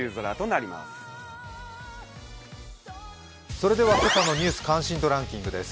それでは今朝の「ニュース関心度ランキング」です。